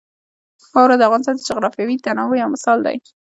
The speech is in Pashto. واوره د افغانستان د جغرافیوي تنوع یو مثال دی.